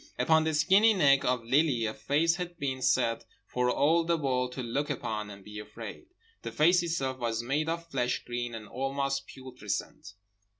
Upon the skinny neck of Lily a face had been set for all the world to look upon and be afraid. The face itself was made of flesh green and almost putrescent.